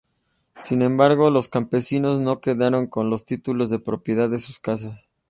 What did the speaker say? Sin embargo, los campesinos no quedaron con los títulos de propiedad de sus casas.